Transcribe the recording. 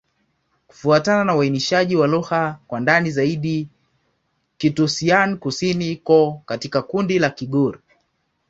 Kufuatana na uainishaji wa lugha kwa ndani zaidi, Kitoussian-Kusini iko katika kundi la Kigur.